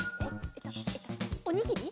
おにぎり？